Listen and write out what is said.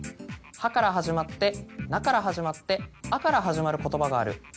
「は」から始まって「な」から始まって「あ」から始まる言葉がある。